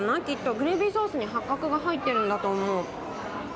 グレービーソースに八角が入ってるんだと思う。